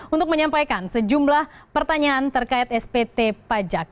untuk menyampaikan sejumlah pertanyaan terkait spt pajak